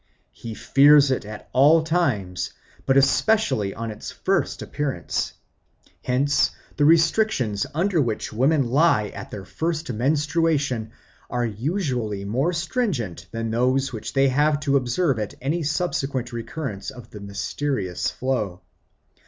He fears it at all times but especially on its first appearance; hence the restrictions under which women lie at their first menstruation are usually more stringent than those which they have to observe at any subsequent recurrence of the mysterious flow.